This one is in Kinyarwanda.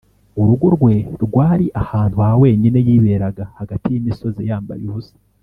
Urugo rwe rwari ahantu ha wenyine yiberaga, hagati y’imisozi yambaye ubusa,